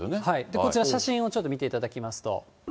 こちら、写真をちょっと見ていただきますと。